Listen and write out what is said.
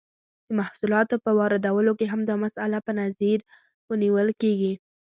د محصولاتو په واردولو کې هم دا مسئله په نظر نیول کیږي.